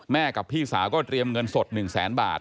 กับพี่สาวก็เตรียมเงินสด๑แสนบาท